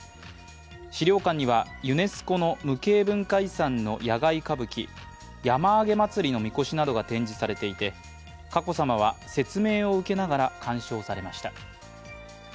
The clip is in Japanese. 資料館にはユネスコの無形文化遺産の野外歌舞伎「山あげ祭」のみこしなどが展示されていて佳子さまは説明を受けながら鑑賞されました。